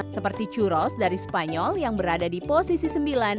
seperti churos dari spanyol yang berada di posisi sembilan